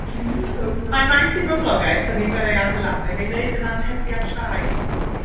Mae maint ei boblogaeth a nifer ei adeiladau'n ei wneud yn anheddiad llai.